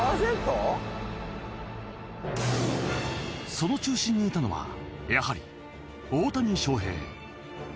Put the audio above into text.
その中心にいたのはやはり大谷翔平。